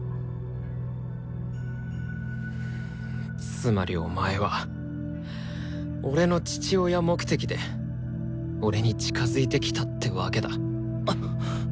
つまりお前は俺の父親目的で俺に近づいてきたってわけだ。